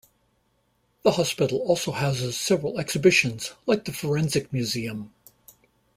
The hospital also houses several exhibitions, like the forensic museum.